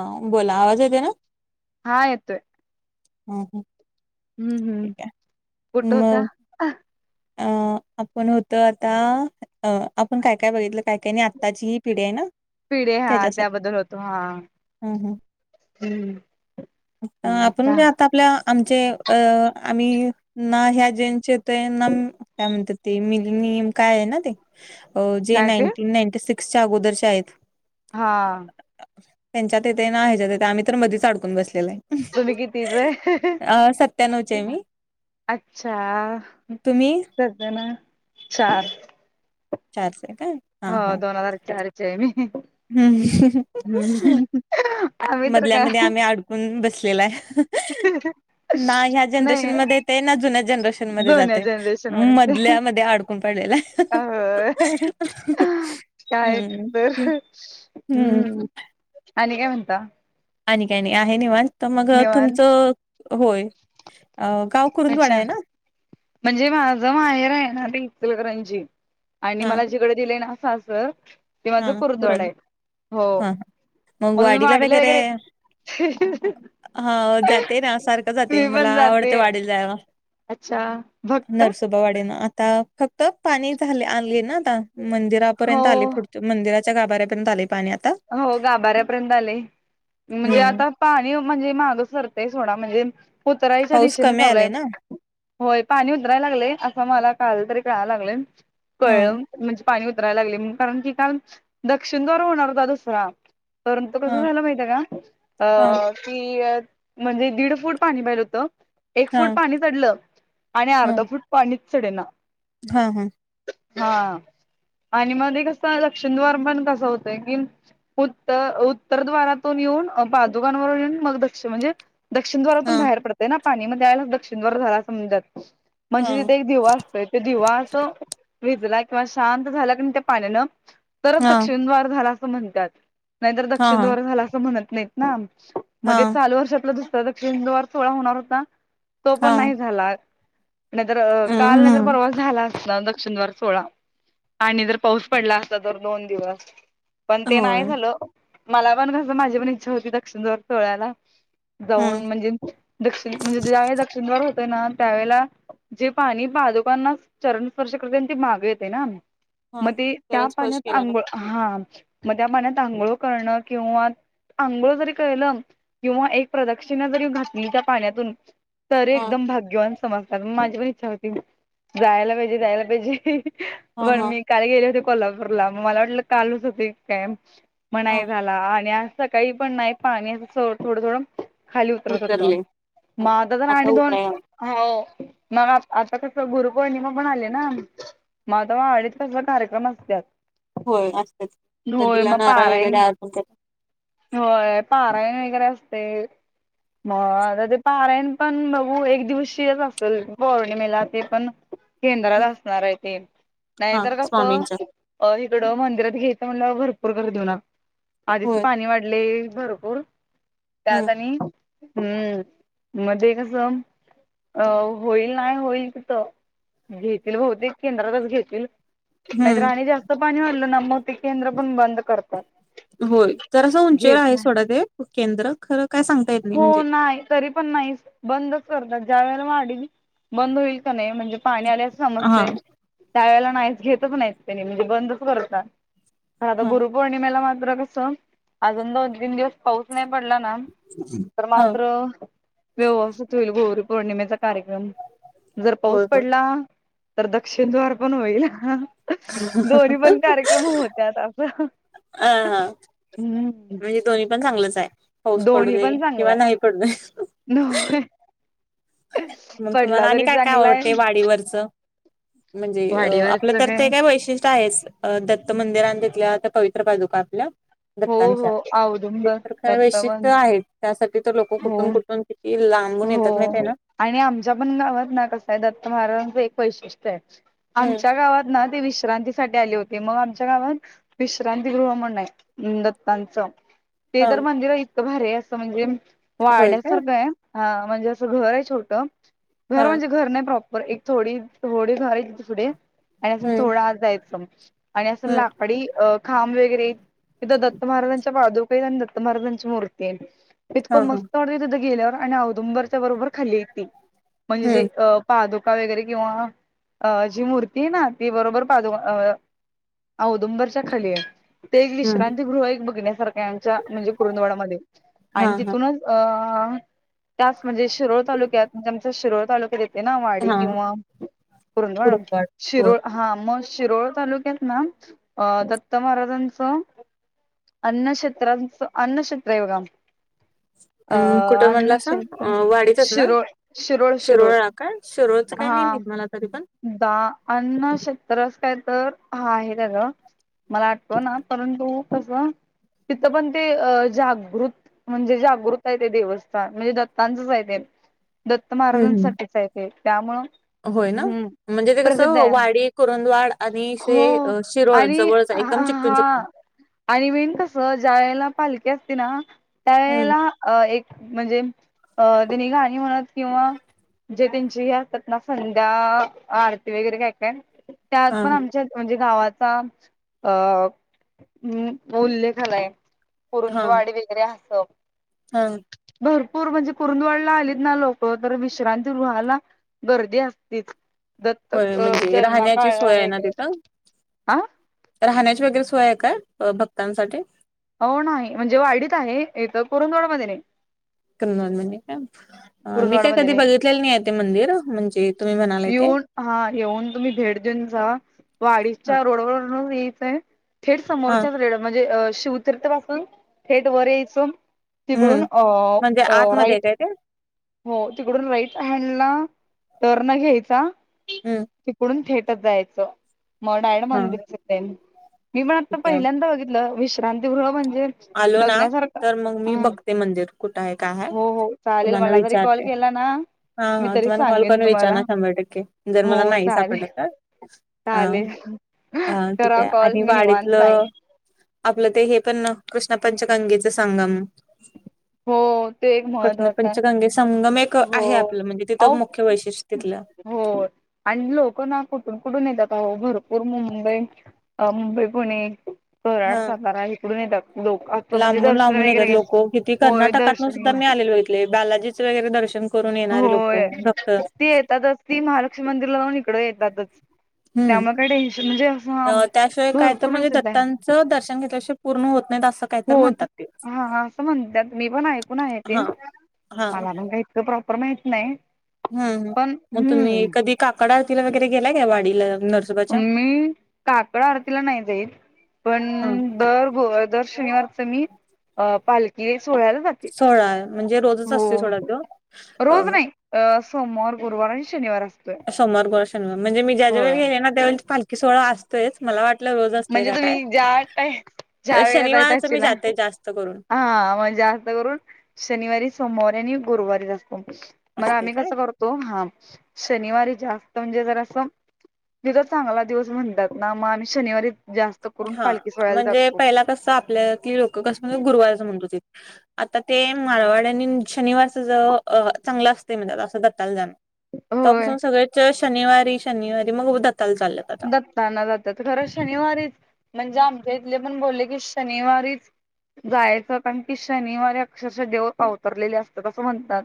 ह बोला आवाज येते ना. [unintelligible] हा येतो. हम्म हम्म. हम्म हम्म कुठ होता. मग अ आपण होत आता. अ आपण काय काय बघितलं काय काय नाही आत्ताची ही पिढी आहे ना. पिढी हा त्याबद्दल होतो हा. हम्म हम्म. हम्म हम्म आपण का. काय आता आपल्या आमचे अ आम्ही ना ह्या जेचे ते. मन काय म्हणते नियम काय हाय ना ते अ जे काय ते नाईंटी नाईन सिक्स. च्या अगोदरच्या आहेत. हा हा. त्यांच्यातथे ना ह्याच्याते आम्ही तर मधीचडतो. हम बसले वय तुम्ही कितीचे ह सत्त्याण्णवच मी आहे. अच्छा हा. तुम्ही. सध्यांना साठ. चारशे काय. हो दोन हजार चार आहे मी. हम्म हम्म आम्ही तर काय मधल्यामध्ये आम्ही अडकून बसलेला आहे. ना ह्या जनरेशन नाही मेत ना जुन्या जनरेशन म जुन्या जाते जनरेशन मध्ये ते मधल्यामध्येड. पडला. [unintelligible] हम्म हम्म आणि काय म्हणता. आणि काय नाही आहे निवांत. तर मग निवांत तुमचं होय गाव कुरुंदवाडा अच्छा आहे ना. म्हणजे माझ माहेर आहे ना इचलकरांची आणि हा मला. [unintelligible] जिकडे दिलय ना अस अस ते माझ हा [inaudible] कुरुंद आहे हो हा मग तुम्ही मडला वगैरे हा जाते ना सारखा जाते मी मला पण जाते आवडते जायला. अच्छा भक्त. ोबावाडी आता फक्त पाणी झाले आले ना आता हो मंदिरापर्यंत आले पु मंदिराच्या गाभाऱ्यापर्यंत आले पाणी आता. हो गाभाऱ्यापर्यंत आले म्हणजे हम्म आता पाणी म्हणजे बघा सरतेय सोड म्हणजे उतरायच्या पाऊस दिशेने कमी आलाय चाललायव. ना होय पाणी उतरायला असं मला काल तरी कळायला लागले हा म्हणजे पाणी उतरायला लागले कारण की काल दक्षिणद््वार होणार होता दुसरा. परंतु कसं हा झालं माहिित आहे का हा अ म्हणजे दीड फूट पाणी पाहिलं होत एक फूट हा पाणी चढलं. आणि हा अर्ध फूट पाणीच चडेना. हा हा. हा आणि मग एक कस लक्षंदवार पण कसं होतंय की उत्तर उत्तरद्वारातून येऊन पादुका वरून येऊन मग दक्षिण म्हणजे दक्षिणद्वारातून हा बाहेर पडतंय ना पाणी मध्ये आयला दक्षिणद्वार झाला समजत. म्हणजे तिथे हा एक दिवा असतोय तो दिवा असं विजला किंवा शांत झाला ना त्या पाण्यानं. तरच तक्ष्मींदद्वार झाला असं म्हणतात. नाहीतर दक्षिण हा हा दवारे झाला असं म्हणत नाहीत ना मध्ये हा चालू वर्ष तळ त्यादिवशी इंदवार सोहळा होणार होता तो पण हा नाही झाला. नगर नाहीतर हम्म काल नंतर हम्म परवास झाला आसरा दक्षिण द्वार सोहळा. आणि जर पाऊस पडला असता तर दोन दिवस. पण ते होय नाही झालं मला पण कसं माझी पण इच्छा होती दक् दक्षिण द्वार सोहळ्याला. हम्म जाऊन म्हणजे दक्षिण म्हणजे ज्यावेेळी दक्षिणद्वार होतय ना त्यावेेळेला जे पाणी पादुकांना चरण स्पर्श करते ते माग येते ना. हा मग ते त्या जरा स्पर्श पाण्यात केला मग आंघोळ हा मग त्या पाण्यात आंघोळ करणं किंवा आंघोळ जरी केलं किंवा एक प्रदक्षिणा जरी घातली त्या पाण्यातून. तर हा एकदम भाग्यवान समजतात मग माझी पण इच्छा जायला पाहिजे जायला पाहिजे. हा पण हा मी काल गेले होते कोल्हापूरला मग मला वाटलं कालच होती की काय? हा म्हणाई झाला आणि असं काही पण नाही पाणी असं थोडं थोडं. खाली उतरतत उतरले हां माझ तर आता राणी दोन. उतराय हो मग आता कस गुरुपौर्णिमा पण आले ना. मज आता मग अडीच तास भर कार्यक्रम असतात. होय असंत्यात नदीला मग नारळ पारायण वगैरे अर्पण करत्यात. होय पाराय वगैरे असते. मग आता ते पारायन पण बघू एक दिवशीच असेल पौर्णिमेला ते पण. केंद्रात असणार आहे ते हा नाहीतर स्वामींच्या कसं इकडं मंदिरात घेत. म्हणल्या वर म्हणल भरपूर गर्दी होणार आधीच होय पाणी वाढले भरपूर. त्या हम्म आणि हम्म मध्ये कसं अ होईल नाही होईल तिथे घेतील बहुतेक केंद्रातच घेतील. नाहीत हम्म राणी जास्त पाणी वाढलं मग ते केंद्र पण बंद करतात. होय तर असं उंचेवर घेत आहे नाही थोड ते केंद्र खर. हो नाही तरी पण नाही बंदच करतात ज्या वेळेला वाढ बंद होईल की नाही म्हणजे पाणी आल्या अस हा समजते त्या वेळेला नाहीच घेतच नाहीत त्यानी म्हणजे बंदच करतात. खर आता हा गुरुपौर्णिमेला मात्र कसं अजून दोन तीन दिवस पाऊस नाही पडला ना. तर हा मात्र व्यवसच होईल गौरी पौर्णिमेचा कार्यक्रम. जर होय पाऊस होय पडला तर दक्षिणद्वार पण होईल दोन्ही पण कार होत्यात आप अ हा म्हणजे दोन्ही पण चांगलच आहे पाऊस दोन्ही पडूदे पण किंवा चांगलाय नाही पडदे. [inaudible] मग तुम्हाला पडला आणि तरी काय काय चांगलाय आवडतं वाडीवरचं. म्हणजे अ आपलं तर ते काय वैशिष्ट्य आहेच. दत्त मंदिरां घेतल्या आता पवित्र बाजू का आपल्या हो दक्तांच्या हो ते औदुंब तर ख दत्तवन वैशिष्ट्य आहेत. त्यासाठी तर लोक हो कुठून कुठून किती लांबून हो येतात नाही त्या ना. आणि आमच्या पण गावात ना कसं आहे दत्त महाराजांचं एक वैशिष्ट्य आहे हम्म आमच्या गावात ना ते विश्रांतीसाठी आले होते मग आमच्या गावात विश्रांती गृह म्हणून ये दत्तांच ते हा तर मंदिर इतकं भारी असं म्हणजे होय काय वाड्यासारखं आहे. हा म्हणजे असं घर आहे छोटं हा घर म्हणजे घर नाही प्रॉप बर एक थोडी थोडी घरायची पुढे आणि असं हम्म थोडा आत जायच आणि असं हम्म लाकडी अ खांब वगैरे आहेत तिथं दत्त महाराजांच्या पादूक आहेत आणि दत्त महाराजांची मूर्ती आहे. हा हा इतकं मस्त वाड तिथं गेल्यावर आणि अऔदुंबरच्या बरोबर खाल्ली इ ती म्हणजे जे हम्म अ पादुका वगैरे किंवा अ जी मूर्ती आहे ना ती बरोबर पादुका औदुंबरच्या खाली आहे. ते एक हम्म. विश्रांती गृह एक बघण्यासारखे आमच्या म्हणजे कुरुंदवाडामध्येध्ये हा, आणि हा. तिथूनच अ त्याच म्हणे शिरोळ तालक्यात म्हणजेमच्या शिरोळ तालुक्या ते ना वाडी हा. किंवा कर कुरुंदवाड होय. शिरोळ हा मग शिरोळ तालुक्यात ना दत्त महाराजांचं अनक्षेत्र अनक्षेत्र बघा. अ अम् कुठं म्हणला स? अन्नक्षेत्र अ वाढीतच ना शिरोळ शिरोळ शिरोळ शिरोळा काय शिरोळाच काही नेहमीित मला तरी पण. द अण्न शेतत्रस काय तर हा आहे त्या ग मला वाटत ना परंतु कसं तिथ पण ते जागृत म्हणजे जागृत आहे ते देवस्थान म्हणजे दत्तांचच आहे ते. दत्त हम्म, हम्म. महाराजांसाठीच येते त्यामुळं होय ना हम्म म्हणजे ते कसं प्रसिद्ध आहे वाडी कुरंदवाड आणिे शे हो शिरळ आणि जवळ एकदम हा चिकटून हा चिकटून. आणि मेन कस ज्या वेळेला पालखी असते ना हम्म. त्यावेेळेला अ एक म्हणजे अ तिने गाणी म्हणत किंवा जे त्यांची असतात ना संध्या आरती वगैरे काय का त्यात हा, पण आमच्या म्हणजे गावाचा अ उल्लेखालाय हा, पुुरुंदवाडी वगैरे अस. हा. भरपूर म्हणजे कुरुंदवडला आलीत ना लोक तर विश्रांती गृहाला गर्दी असते. तच दत्तक होय म्हणजे जन्म राहण्याची काळ सोय आहे ना वगैरे तिथं? हा. राहण्याची वगैरे सोय आहे का भक्तांसाठी? हो नाही. म्हणजे वाय डी तआहे. इथ कुरुंदवाड मध्ये. कन म्हण का मी काय कधी बघितलेलं नाही आहे ते मंदिर म्हणजे तुम्ही म्हणाल ते. येऊन हा येऊन तुम्ही भेट देऊन जा वाडीच्या रोडवरून यायचंय थेट हा. समोरच्याच रेड शिवतीर्थ पासून थेट वर यायचं. तिकडून हम्म. अ म्हणजे आतमध्ये आहे राईट काय ते? हो तिकडून राईट हँडला टर्न घ्यायचा. हम्म. तिकडून थिएटर जायचं मग डायरेक्ट हा. मंदिरच. मी पण आता ठीक आहे पहिल्यांदा बघितलं विश्रांती गृह म्हणजे आलो ना बघण्यासारखं तर मग मी हा बघते मंदिर कुठं आहे काय हो हो चालेल मग मला जरी कॉल विचारते. केला ना हा मी हा तरी तुम्हाला कॉल सांगेन करु. तुम्हाला विचारणार शंभर टक्के जर हो मला नाही चालेल सापडलं तर अ. चालेल हा ठीक करा आहे कॉल आणि मी निवांत वाडीतलं सांगेन आपलं ते हे पण कृष्ण पंचगंगेच संगम. हो ते एक कृष्ण महत्त्वाचं आहे पंचगंगेचसंगम एक हो आहे आपलं म्हणजे तिथं अहो मुख्य वैशिष्ट्य तिथलं हो आणि लोक ना कुठून कुठून येतात. अहो भरपूर मुंबई मुंबई पुणे कराड हा सातारा इकडून येतात लोक आता म्हणजे लांबून दर्शन लांबून येतात वगैरे लोक होय दर्शन घ्यायला. बालाजीं वगैरे दर्शन करून येणारे लोक होय भक्त ती येतातच ती महालक्ष्मी मंदिरला जाऊन इकडे येतातच. हम्म त्यामुळे काय टेनशन म्हणजे अस त्याशिवाय काय तर दत्तांचं दर्शन घेतल्याशिय पुर्ण होत नाहीत असं. काय तर हो म्हणतात ते. हा असं म्हणतात मी पण ऐकून आहे. ते हा हा मला पण काही त प्रॉपर माहित नाही. हम पण मग तुम्ही हम्म कधी काकडा आरतीला वगैरे गेला का वाडीला नर मी काकड आरतीला नाही जाईत हा पण दर ग दर शनिवारच मी अ पालखी सोहळ्याला जाते. सोहळा आहे म्हणजे रोजच हो असते सोहळा तो. रोज अ नाही अ सोमवार गुरुवार आणि शनिवार असतोय. सोमवार गुरुवार शनिवार म्हणजे मी ज्यावेळी होय गेले ना त्यावेळी पालखी सोहळा अस तेच च मला वाटलं रोज असते म्हणजे का तुम्ही ज्या टाय काय? ज्या वेळेला जायत शनिवारच मी असशीला जाते जास्त करून. हा मग जास्त करून शनिवारी सोमवारी आणि गुरुवारी असतो. मग असते आम्ही काय कसं करतो हा शनिवारी जास्त म्हणजे जरा असं मी तर चांगला दिवस म्हणतात ना मग आम्ही शनिवारी जास्त करून हा पालखी सोहळ्याला म्हणजे जातो. पहिला कस आपल्यतली लोक कसं म्हणत होती गुरुवारचं म्हणत होती. आता ते माारवाड्यानी शनिवारच ज चांगलं असते म्हणतेत असं दत्ताल जाण. तवा होय पासून सगळेच शनिवारी शनिवारी मग दत्ताला जात्यात. दत्ताना जातात. खरं शनिवारीच म्हणजे आमच्या इथले पण बोलले की शनिवारीच जायचं कारण की शनिवारी अक्षरशः देव अवतरलेले असतात असं म्हणतात.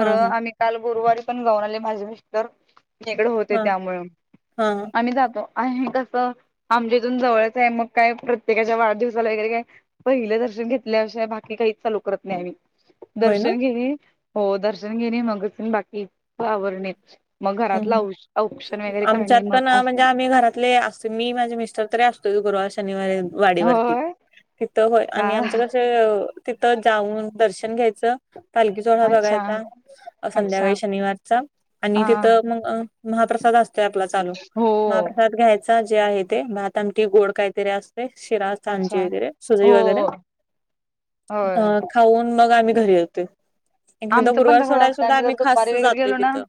हा हा आम्ही काल गुरुवारी पण जाऊन आले. माझे मिस्टर मी काल इकडे होते हा. त्यामळे हा. आम्ही जातो आहे तसं आमच्या इथून जवळच आहे मग काय प्रत्येकाच्या वाढदिवसाला वगैरे काय पहिलं दर्शन घेतल्या शिवाय बाकी काहीच चालू करत नाही. आम्ही होय ना दर्शन घेणे हो दर्शन घेणे मगच बाकी आवरणे मग घरातलं औ औषण वगैरे करणे मग हा असं म्हणजे आम्ही घरातले असे मी माझे मिस्टर तरी असतोच गुरुवार शनिवारी वाडीवरती. होय तिथं होय का आणि आमच कस तिथं ज्याऊन दर्शन घ्यायचं. पालखी सोहळा अच्छा बघायचा अच्छा संध्याकाळी शनिवारचा आणि हा ति मग महाप्रसाद असतोय आपला चालू हो महाप्रसाद घ्याय च जे आहे ते भात आमटी गोड काहीतरी अस शिरा अन् सांजी अच्छा वगैरे सुजि हो वगैरे. ह होय खाऊन मग आम्ही घरी य एकदा आमचं पण गुरुवार तसच सोडायला असतं सुद्धा आम्ही जर खास दुपारी वगैरे जातोय गेलो ना तिथं.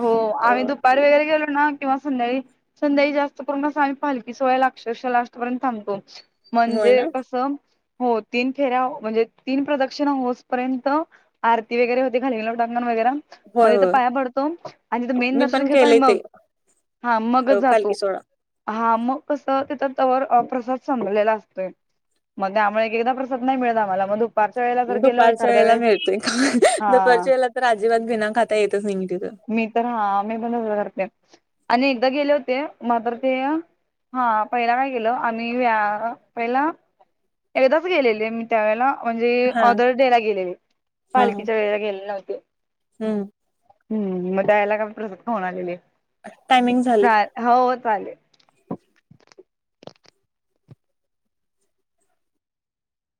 हो अ आम्ही दुपारी वगैरे गेलो ना किंवा संध्याकाळी संध्याकाळी जास्त करूनच आम्ही पालखी सोहळ्याला अक्षरश लास्ट पर्यंत थांबतो होय म्हणजे ना कस हो तीन फेऱ्या म्हणजे तीन प्रदक्षिणा होसपर्यंत आरती वगैरे होते घालीन लोटांगण वगेरा. होय म तिथं होय पाया पडतो आणि तिथं मेन मी दर्शन पण घेतो केले आणि मग ते हा मगच पालखी जातो सोहळा हा मग कसं तिथं तवर प्रसाद संपलेला असतोय मग त्यामुळे एक एकदा प्रसाद नाही मिळत आम्हाला मग दुपारच्या वेळेला जर गेलोय एक दुपारच्या अर्ध्या वेळेला वेळेस मिळतोय हा दुपारच्या वेळेला तर अजिबात बिना खाता येतच नाही मी तिथून मी तर हा मी पण तसच करते आणि एकदा गेले होते मात्र ते हा पहिला काय केलं आम्ही [unintelligible] पहिला एकदाच गेलेले मी. त्यावेळेला म्हणजे हा [unintelligible] [unintelligible] गेलेले हा पालखीच्या वेळेला गेलेले नव्हते. हम्म हं मग द्यायला का प्रसाद खाऊन आलेली. टायमिंग झाली. हो हो चालेल.